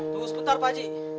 tunggu sebentar paji